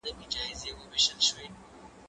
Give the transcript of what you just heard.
ليکنې د زده کوونکي له خوا کيږي